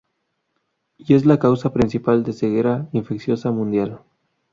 Y es la causa principal de ceguera infecciosa mundial.